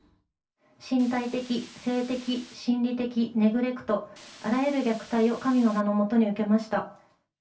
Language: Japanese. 身体的、性的、心理的ネグレクト、あらゆる虐待を神の名のもとに受けました。